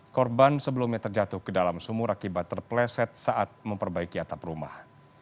korban sebelumnya terjatuh ke dalam sumur akibat terpleset saat memperbaiki atap rumah